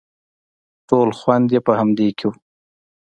ټول خوند يې په همدې کښې و.